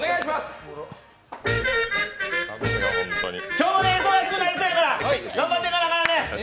今日も忙しくなりそうやから頑張っていかなあかんね。